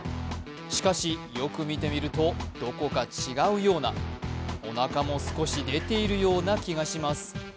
しかしよく見てみるとどこか違うようなおなかも少し出ているような気がします。